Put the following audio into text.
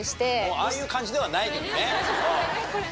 ああいう感じではないけどね。